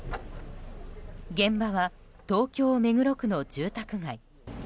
現場は東京・目黒区の住宅街。